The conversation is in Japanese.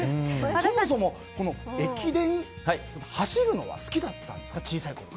そもそも駅伝、走るのは好きだったんですか？